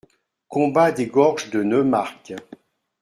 Combat des gorges de Neumarck.